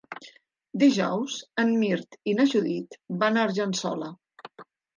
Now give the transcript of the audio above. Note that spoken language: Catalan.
Dijous en Mirt i na Judit van a Argençola.